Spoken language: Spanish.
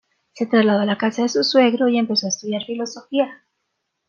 Se trasladó a la casa de su suegro y empezó a estudiar filosofía.